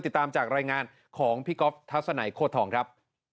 ติดตามจากรายงานของพี่ก๊อฟทัศนัยโคตรทองครับ